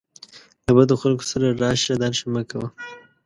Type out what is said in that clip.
له بدو خلکو سره راشه درشه مه کوه